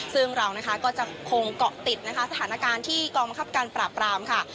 ซึ่งเราก็จะคงเกาะติดสถานการณ์ที่กรมาคับการปราบปราม